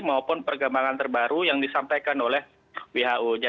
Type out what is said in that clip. maupun perkembangan terbaru yang disampaikan oleh who